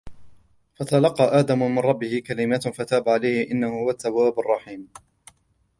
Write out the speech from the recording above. فتلقى آدم من ربه كلمات فتاب عليه إنه هو التواب الرحيم